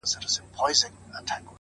• دا دوران دي مور هم دی تېر کړی لېونۍ ,